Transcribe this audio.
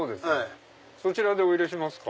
そちらでお入れしますか？